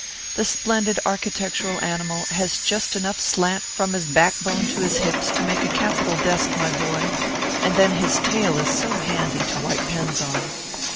The splendid archi tectural animal has just enough slant from his back bone to his hips to make a capital desk, my boy ; and then his tail is so handy to wipe pens on.